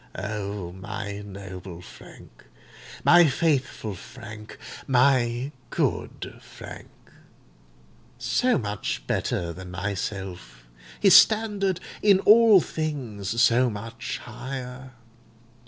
O my noble Frank—my faithful Frank—my good Frank! so much better than myself—his standard in all things so much higher!